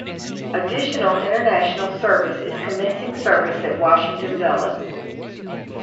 Additional international service is commencing service at Washington Dulles.